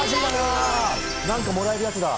何かもらえるやつだ。